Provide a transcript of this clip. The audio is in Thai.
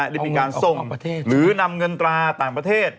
ได้มีการส่งหรือนำเงินตราต่างประเทศ